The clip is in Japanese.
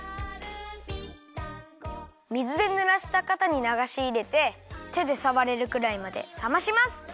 みずでぬらしたかたにながしいれててでさわれるくらいまでさまします！